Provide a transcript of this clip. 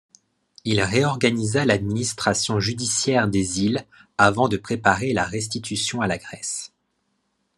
Il réorganisa l'administration judiciaire des îles avant de préparer la restitution à la Grèce.